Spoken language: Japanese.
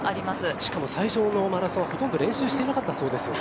しかも最初のマラソンはほとんど練習していなかったそうですよね。